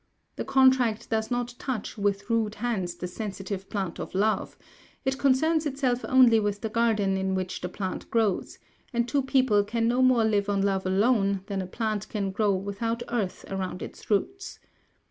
The contract does not touch with rude hands the sensitive plant of love; it concerns itself only with the garden in which the plant grows, and two people can no more live on love alone than a plant can grow without earth around its roots.